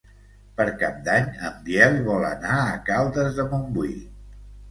Per Cap d'Any en Biel vol anar a Caldes de Montbui.